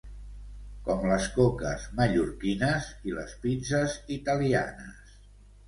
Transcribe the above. com les coques mallorquines i les pizzes italianes